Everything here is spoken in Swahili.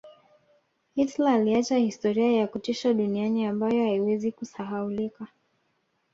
Hitler aliacha historia ya kutisha duniani ambayo haiwezi kusahaulika